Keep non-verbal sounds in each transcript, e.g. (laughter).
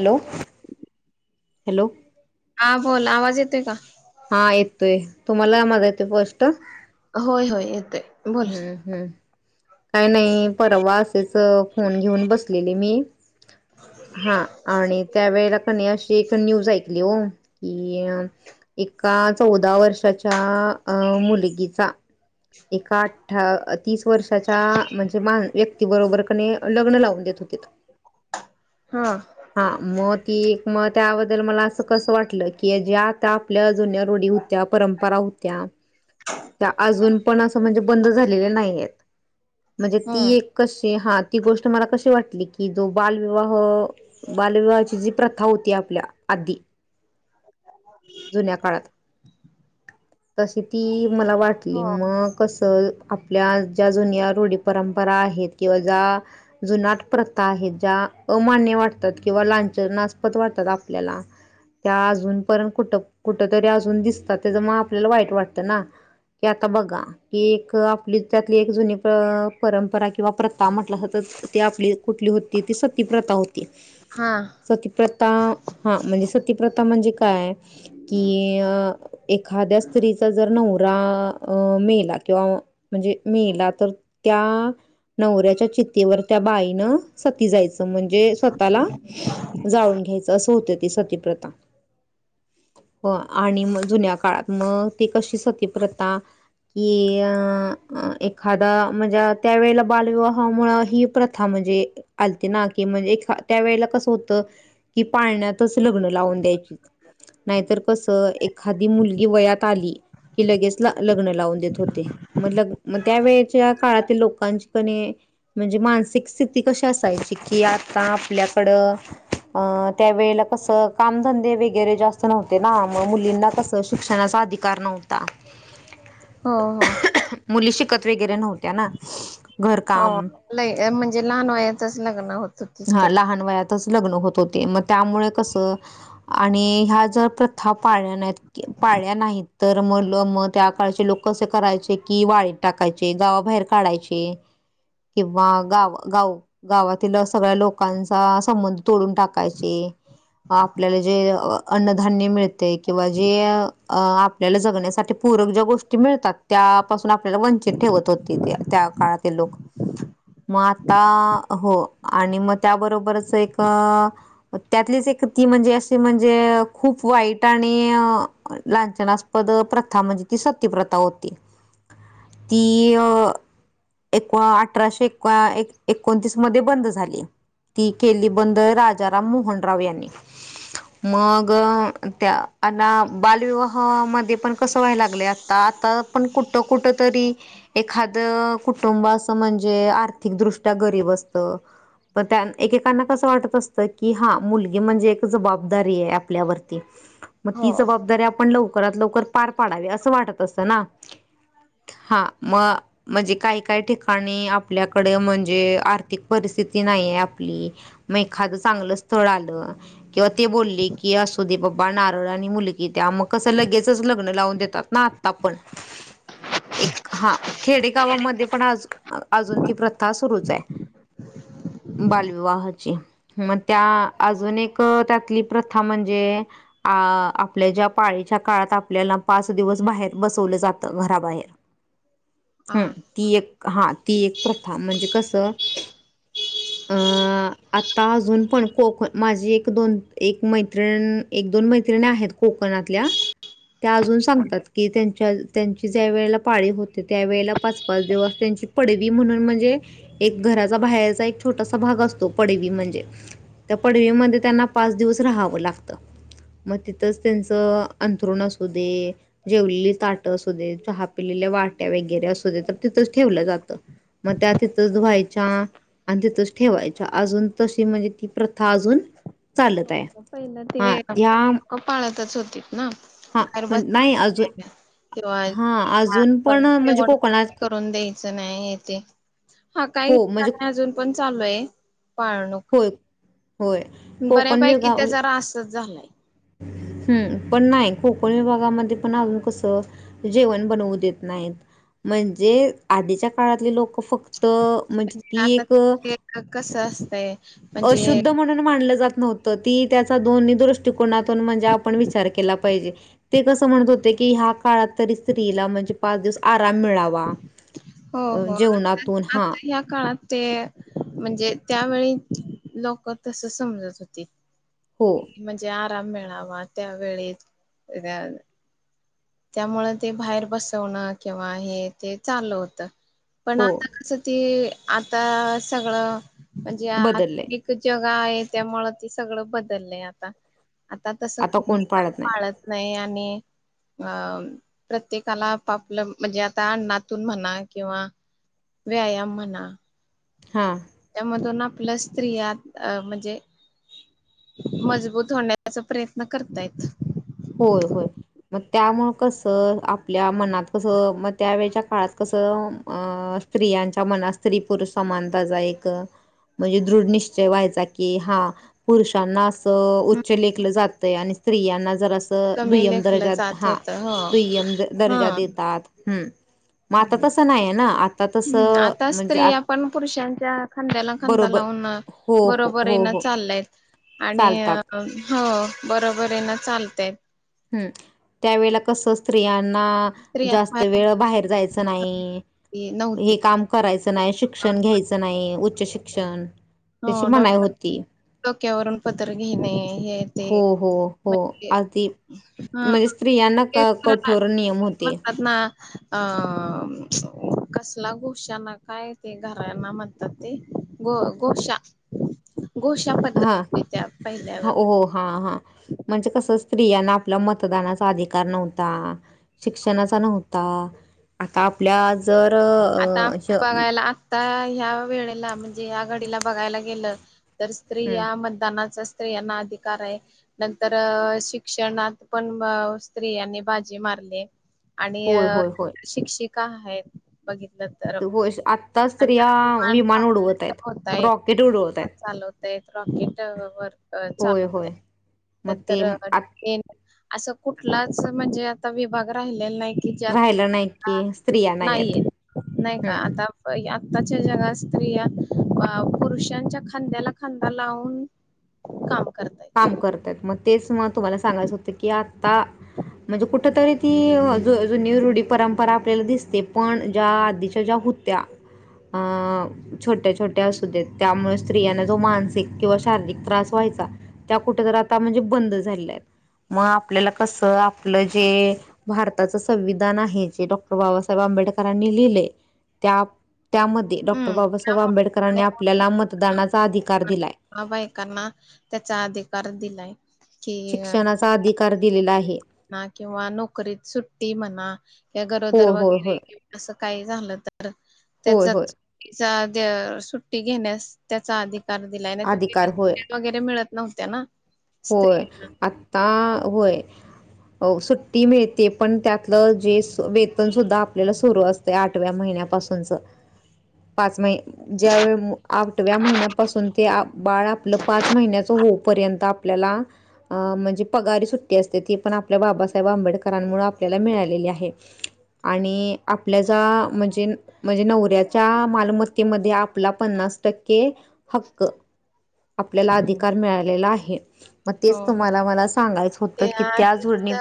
Hello hello? हा बोल आवाज येतोय का? हा येतोय तुम्हाला माझा येते स्पष्ट, होय होय येतोय, बोल. हम्म हम्म काय नाही परवास, त्याच फोन घेऊन बसलेली मी. हा आणि त्यावेेळेला कनी अशी, एक न्यूज ऐकली हो, कि अ एका चौदा वर्षाच्या अं मुलगीचा, एका अठ तीस वर्षाच्या म्हणजे, मा व्यक्ती बरोबर कनी, लग्न लावून देत होते, हा हा मग ती मग त्या, दल मला अस कसं वाटलं, की ज्या आता आपल्या अजून्या रूढी होत्या परंपरा होत्या, त्या अजून पण असं म्हणजे बंद झालेल्या नाही आहेत, म्हणजे ती हम्म. एक कशी हात ती गोष्ट मला कशी वाटली, की जो बालविवाह, बालविवाहाची जी प्रथा होती आपल्या आधी, जुन्या काळात तशी, ती मला वाटली हो. मग कस, आपल्या ज्या जुन्या रूढी परंपरा आहेत, किंवा ज्या जुनाट प्रथा आहे. ज्या अमान्य वाटतात, किंवा लाछनास्पद वाटतात आपल्याला, त्या अजून पर्यंत कुठ कुठ तरी अजून दिसतात, त्याच मग आपल्याला वाईट वाटतं ना. कि आता बघा की एक आपली त्यातली एक जुनी परंपरा, किंवा प्रथा म्हटलं सातर ते आपली कुठली होती ती सत्यप्रथा हो, हा सतीप्रथा हा म्हणजे सतीप्रथा म्हणजे काय! की अ एखाद्या स्त्रीचा जर नवरा मेला किंवा म्हणजे मेला तर त्या नवऱ्याच्या चित्तीवर त्या बाईनं सती जायचं म्हणजे जे स्वतःला जाळून घ्यायचं असं होत ते सतीप्रथ. हो आणि मग जुन्या काळात मग ती कशी सतीप्रथा कि अ एखादा म्हणजे त्यावेळेला बालविवाहामुळे ही प्रथा म्हणजे आलतिना की म्हणजे त्या वेळेला कस होत कि पाळण्यातच लग्न लावून द्यायचीत. नाहीतर कसं एखादी मुलगी वयात आली कि लगेच लग्न लावून देत होते मग लग मग त्यावेेळेच्या काळातील लोकांची कणी म्हणजे मानसिक स्थिती कशी असायची कि आता आपल्याकडं अ त्यावेेळेला कस कामधंदे वगैरे जास्त नव्हते ना मग मुलींना कस शिक्षणाचा अधिकार नव्हता. हा हा. (unintelligible) वगैरे नव्ह हो ल म्हणजे लहान वयाच च लग्न होत होती हा ते. लहान वयात लग्न होत होते मग त्यामुळे कसं आणि ह्या जर प्रथा पाळल्या नाही पाळल्या नाही तर म मग त्या काळचे लोक कसं करायचे की वाळीत टाकायचे. गावाबाहेर काढायचे किंवा गाव गाव गावातील अस सगळ्या लोकांचा संबंध तोडून टाकायचे आपल्याला जे अन्नधान्य मिळते किंवा जे आपल्याला जगण्यासाठी पूरक ज्या गोष्टी मिळतात त्यापासून आपल्याला वंचित ठेवत होते त्या काळातील लोकं. मं आता हो. आणि मग त्याबरोबरच एकं त्यातलीच एक ती म्हणजे अशी म्हणजे खूप वाईट आणि लांछनास्पद प्रथा म्हणजे ती सतीप्रथा होती. ती अं एक अठराशे एकोणतीस मध्ये बंद झली ती केली बंद राजाराम मोहनराव यांनी. मंग त्या आणि बालविवाहामध्ये पण कसं व्हायला लागलंय आता आता पण कुठं कुठं तरी एखाद कुटुंब असं म्हणजे आर्थिकदृष्ट्या गरीब अस्तं पण त्या एकेकांना कसं वाटत असतं की हा मुलगी म्हणजे एक जबाबदारी आहे आपल्यावरती. मग हो. ती जबाबदारी आपण लवकरात लवकर पार पाडावी असं वाटत असतं ना. हा म म्हणजे काही काही ठिकाणी आपल्या कडे म्हणजे आर्थिक परिस्थिती कि नाही आपली मग एखादं चांगलं स्थळ आलं किंवा ते बोलली कि असुदे बा बा नारळ आणि मुलगी द्या, मग कसं लगेचच लग्न लावून देतात ना आता पण. एक हां खेडेगावामध्ये पण आज अजून ती प्रथा सुरूच आहे. (inaudible) बालविवाहाची, मग त्या अजून एक त्यातली प्रथा म्हणजे अं आपल्या ज्या पाळीच्या काळात आपल्याला पाच दिवस बाहेर बसवलं जातं घराबाहेर हा हम ती एक हा ती एक प्रथा म्हणजे कसं अं आं. आता अजून पण कोकण माझी एक दोन एक मैत्रिण एक दोन मैत्रिणी आहेत कोकण ल्या त्या अजून सांगतात की त्यांच्या त्यांची ज्या वेळेला पाळी होते त्यावेेळेला पाच पाच दिवस त्यां पडवी म्हणून म्हणजे एक घरा बाहेर एक छोटासा भाग असतो पडवी म्हणजे. त्या पडवीमध्ये त्यांना पाच दिवस राहावं लागतं. मग तिथंच त्यांचं अंथरुण असू दे जेवलेली ताटं असू दे, चहा पिलेल्या वाट्या वगैरे असू दे तर तिथंच ठेवलं जातं. मग त्या तिथच धुवायच्या आणि तिथंच ठेवायच अजून तशी म्हणजे ती प्रथा अजून चालत आहे. पहिलं ते. हां, लोक पाळतच होतीत ना? हा बाहेर पण बसवा नाही अजून हां, अजून किंवा पण म्हणजे जेवण कोकणात करून द्यायचं नाही ते हा काही हो, म्हणजे नाही अजून पण चालू आहे. पाळणूक होय, होय कोकण वेळ बऱ्यापैकी गाव त्याचा रासच झालाय. हम्म पण नाही कोकण विभागामध्ये पण अजून कसं जेवण बनवू देत नाहीत. म्हणजे आधीच्या काळातली लोकं फक्त म्हणजे ती आता एक ते कसं असतंय म्हणजे अशुद्ध म्हणून मानलं जात नव्हतं ती दोन्ही दृष्टिकोनातून म्हणजे आपण विचार केला पाहिजे. ते कसं म्हणत होते कि हया काळात तरी स्त्रीला म्हणजे पाच दिवस आराम मिळावा. हो अ, हो जेवणातून आ हा, आता ह्या काळात ते म्हणजे त्यावेळी लोक तस समजत होती हो, म्हणजे आ आराम मिळावा त्यावेेळी त्यामुळ ते बाहेर बसवणं किंवा हे ते चाल होत. पण हो आता कस त आता सगळं म्हणजे बदललंय. आता जग आहे त्यामुळ ते सगळं बदललंय आता. आता तसं कुणी का पाळत नाही. आणि अं प्रत्येकाला आपापलं म्हणजे आता अण्णातून म्हणा किंवा व्यायाम म्हणा हा. त्यामधून ना प्लस थ्रीया म्हणजे मजबूत होण्याचा प्रयत्न करतायत. होय होय. मग त्यामुळ कसं आपल्या मनात कसं मग त्यावेेळेच्या काळात कसं अ स्त्रियांच्या मनात स्त्री पुरुष समानता जा एकक म्हणजे दृढ निश्चय व्हायचा की हा पुरुषांना उच्च लेखलं जातंय आणि स्त्रियांना जर कमी दु्यम लेखलं दरज्या जात होत हो दुय्यम ह दर्जा देतात. मग आता तसं नाही आहे ना? आ हम्म तसं आता म्हणजे स्त्री आपण पुरुषांच्या खांद्याला खांदा बरोबर लावून हो हो बरोबर आहे हो ना हो चाललाय. आणि चालतात अ हो बरोबर ना चालतय. ह त्यावेळेला कसं असतं. स्त्रियांना स्त्रियांना जास्त वेळ बाहेर जायच नाही. माहिती नव्हती. हे काम करायचं नाही. शिक्षण घ्यायचं नाही. उच्च शिक्षण. हो त्याची मनाई डॉक्टर होती. डोक्यावरून पदर घेणे हे ते हो हो हो म्हणे अगदी हा म्हणजे स्त्रियांना ते क कठोर नियम होते म्हणतात ना? अ कसला गोशांना काय ते घराना म्हणतात ते ग गोष हा हो हा हा म्हणजे कस स्त्रियांना आपला मतदानाचा अधिकार नव्हता. शिक्षणाचा नव्हता. आता आपल्या जर आता अ, श बघायला आत्ता ह्या वेळेला म्हणजे या घडीला बघायला गेलं. तर स्त्री हं, या मतदानाच स्त्रियांना अधिकार आहे. नंतर शिक्षणात पण स्त्रियांनी बाजी मार - रली आहे. आणि होय होय होय शिक्षिका आहेत बघित आत्ता स्त्रिया विमान उडवत आहेत. होताय रॉकेट उडवत आहेत. चालवतायत रॉकेट वर होय चालवतय. होय मग ते नंतर आ प्लेन - असं कुठलाच म्हणजे आता विभाग राहिलेला नाही. की ज्यात राहिला नाही कि स्त्रिया नाहीयेत. नाहीये. नाही का? हम्म. आता आताच्या जगात स्त्रिया पुरुषांच्या खांद्याला खांदा लावून काम करतायत. काम करतात. मग तेच मग तुम्हाला सांगायचं होत की आता म्हणजे कुठ तरी ती जुनी रुढी परंपरा आपल्याला दिसते. पण ज्या आधीच्या ज्या होत्या अ छोट्या छोट्या असू देत. त्यामुळे स्त्रियांना जो मानसिक किंवा शारीरिक त्रास व्हाय चा. त्या कुठ आता म्हणजे बंद झालेल्या आहेत. मग आपल्याला कस? आपलं जे भारताच संविधान आहे जे डॉक्टर बाबासाहेब आंबे- आंबेडकरांनी लिहिलय. त्या त्यामध्ये, डॉक्टर. हम्म. बाबासाहेब आंबेडकरांनी त्यामुळे आपल्याला मतदानाचा अधिकार दिलाय. त्यांना त्याचा अधिकार दिलाय. शिक्षणाचा अधिकार दिलेला आहे. म्हणा किंवा नोकरीत सुट्टी म्हणा... कि होय, गरोदर होय, वगैरे होय. किंवा अस- काही झालं तर.... होय, होय. त्या सुट्टी घेण्यास त्याचा अधिकार- दिलाय. नाही अधिकार होय. पहिल्या वगैरे मिळत नव्हत्या ना. होय.... स्त्रियांना आता होय. हो सुट्टी मिळते. पण त्यातलं जे वेतन सुद्धा आपल्याला सुरु असते आठव्या महिन्यां- पासूनचं.... पाच महिने. ज्या वेळी आठव्या महिन्यापासून ते बाळ आपलं पाच महिन्याच होऊपर्यंत. आपल्याला म्हणजे पगारी सुट्टी असते. ती पण आपल्या बाबासाहेब आंबेडकरांमुळे आपल्याला मिळालेली. हे आहे. आणि आपल्याचा म्हणजे म्हणजे, नवऱ्याच्या मालमत्तेमध्ये आपला पन्नास- टक्के हक्क आपल्याला अधिकार मिळालेला आहे. मग तेच हो हो तुम्हाला मला सांगायचं होतं की, त्या जोडणी-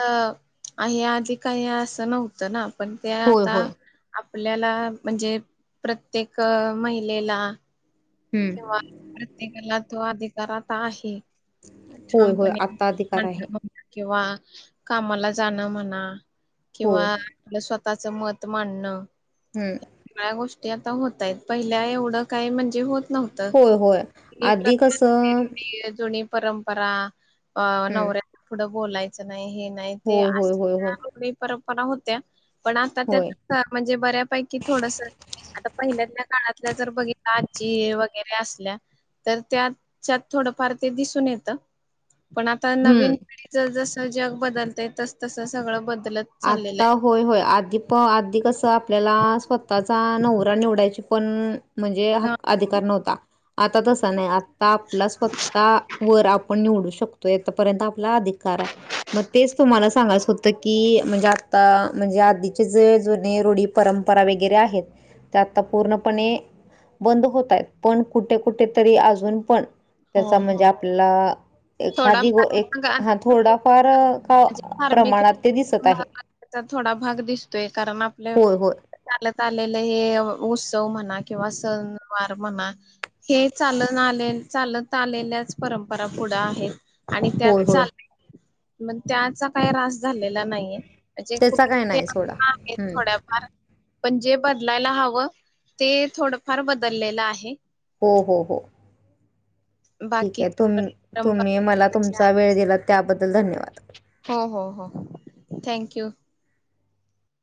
आहे आधी काही असं नव्हतं ना? पण ते होय आता- होय आपल्याला म्हणजे.... प्रत्येक महिलेला- हम्म. किंवा प्रत्येकाला तो अधिकार आता आहे. होय छान... (inaudible) (unintelligible) होय पणी आत्ता अधिकार आहे किंवा कामाला जाणं म्हणा, किंवा होय आपलं स्वतःच मत मांडणं- हम्म. सगळ्या गोष्टी आता होत आहेत. पहिल्या एवढं काय म्हणजे होत- नव्हतं. होय होय जुन्या आधी कसं प्रथा, जुनी परंपरा- अ... हं. नवऱ्या पुढं बोलायचं नाही, हे नाही ते होय, होय, होय, असल्या होय. रुढी, परंपरा- होत्या पण आता त्या होय. म्हणजे बऱ्यापैकी थोडसं- आता पहिल्यातल्या काळातल्या जर बघितलं आजी वगैरे- थकलेल्या असल्या. तर त्याच्यात थोडफार ते दिसून येत. पण आता हं. नवीन पिढीच जसं जग बदलतय तस तसं सगळं बदलत- चाललेलं आता. आहे. होय होय, आधी प आधी कसं आपल्याला स्वतःचा नवरा निवडायची- पण म्हणजे हा अधिकार नव्हता आता तसा नाही. आपला स्वतः वर आपण निवडू शकतोय. आतापर्यंत- आपला अधिकार आहे. मग तेच तुम्हाला सांगायचं होतं की- म्हणजे आता म्हणजे आधीचे जे जुने रुढी परंपरा वगैरे आहेत. ते आता पूर्णपणे बंद होतय. पण कुठे, कुठे तरी अजून पण- हो त्याचा म्हणजे हो आपला एखादी गो थोडाफार एक मग हा आता थोडाफार- प्र प्रमाणात ते दिसत. आहे त्याचा थोडा भाग दिसतोय. कारण आपलं होय होय चालत... चालेले हे उत्सव म्हणा किंवा सणवार म्हणा हे चालून आले... चालत आलेल्याच परंपरा पुढे आहेत.... आणि होय त्यात होय चाल... मग त्याचा काही रास झालेला नाहीये.... जे त्याचा कुठं काय तरी नाही आ सोडा आहेत हम्म थोड्याफार.... पण जे बदलायला हवं., ते थोडफार बदललेलं आहे.. हो हो हो.... ठीक बाकी आहे. तुम तुम्ही मला तुमचा परंपरा वेळ दिला त्याबद्दल धन्यवाद.... हो हो हो. Thank you....